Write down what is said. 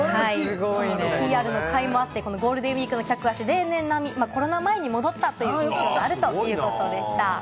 ＰＲのかいもあってゴールデンウイークの客足は例年並み、コロナ前に戻ったということでした。